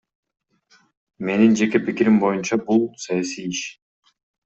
Менин жеке пикирим боюнча, бул саясий иш.